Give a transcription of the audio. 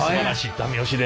ダメ押しで。